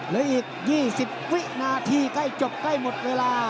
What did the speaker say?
และอีก๒๐วินาทีใกล้จบใกล้หมดเวลา